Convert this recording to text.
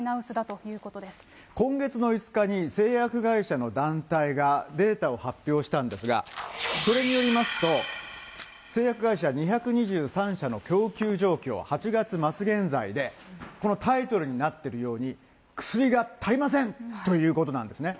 今月の５日に、製薬会社の団体がデータを発表したんですが、それによりますと、製薬会社２２３社の供給状況、８月末現在で、このタイトルになってるように、薬が足りませんということなんですね。